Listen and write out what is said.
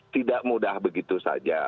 tidak mudah begitu saja